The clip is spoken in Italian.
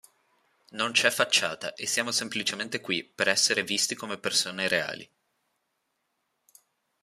Non c'è facciata e siamo semplicemente qui per essere visti come persone reali.